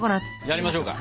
やりましょうか。